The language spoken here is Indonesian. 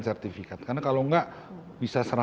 sertifikat karena kalau enggak bisa